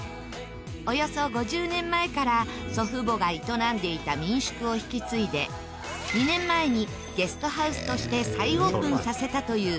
およそ５０年前から祖父母が営んでいた民宿を引き継いで２年前にゲストハウスとして再オープンさせたというｓａｓａｏｓｏｕ。